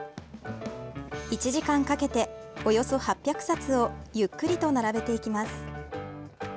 １時間かけて、およそ８００冊をゆっくりと並べていきます。